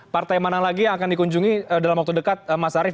partai mana lagi yang akan dikunjungi dalam waktu dekat mas arief